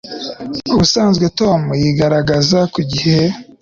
Ubusanzwe Tom yigaragaza ku gihe